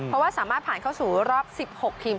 เพราะว่าสามารถผ่านเข้าสู่รอบ๑๖ทีม